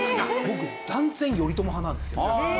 僕断然頼朝派なんですよ。